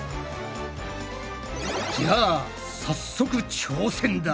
じゃあ早速挑戦だ。